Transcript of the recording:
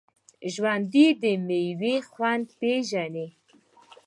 ژوندي د میوې خوند پېژني